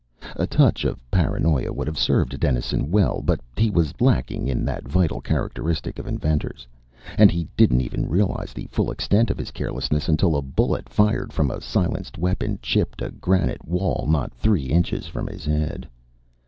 A touch of paranoia would have served Dennison well; but he was lacking in that vital characteristic of inventors. And he didn't even realize the full extent of his carelessness until a bullet, fired from a silenced weapon, chipped a granite wall not three inches from his head.